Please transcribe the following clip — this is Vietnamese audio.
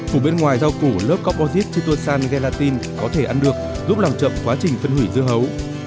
phủ bên ngoài rau củ lớp composite trên tuần sàn gelatin có thể ăn được giúp làm chậm quá trình phân hủy dưa hấu